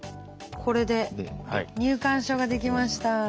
これで入館証ができました。